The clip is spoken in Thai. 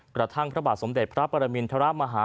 พระบาทสมเด็จพระปรมินทรมาฮา